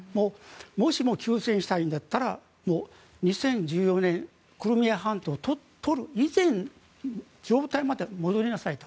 もしも休戦したいんだったら２０１４年にクリミア半島を取る以前の状態まで戻りなさいと。